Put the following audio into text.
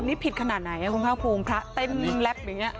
ตอนนี้ผิดขนาดไหนครับคุณภาพภูมิพระเต้นแร็บอย่างเงี้ย